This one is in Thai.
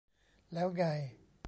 แล้วไง